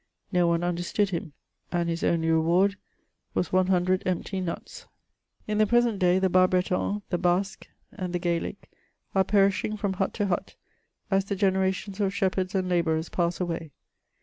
No one understood him, and his only reward was one hundred empty nuts. In the present day the Bas Breton, the Basque and the Graelic, are perismng from hut to hut, as the generations of shepherds and labourers pass away.